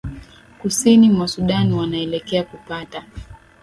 kusini mwa sudan wanaelekea kupata